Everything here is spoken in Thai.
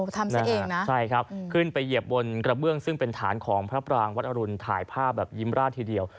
เท่านั้นเองนะใช่ครับขึ้นไปเหยียบบนกระเบื้องซึ่งเป็นฐานของพระปรางวัดอรุณถ่ายภาพแบบยิ้มราดทีเดียว